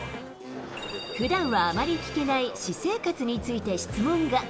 ふだんはあまり聞けない私生活について質問が。